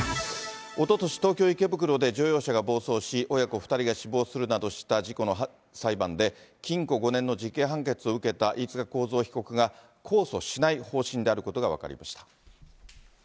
おととし、東京・池袋で乗用車が暴走し、親子２人が死亡するなどした事故の裁判で、禁錮５年の実刑判決を受けた飯塚幸三被告が控訴しない方針であることが分かりました。